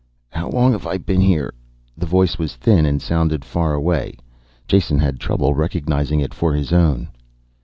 "How long have I been here?" The voice was thin and sounded far away. Jason had trouble recognizing it for his own.